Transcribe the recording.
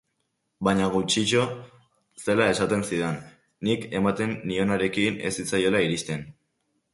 Baina gutxitxo zela esaten zidan, nik ematen nionarekin ez zitzaiola iristen.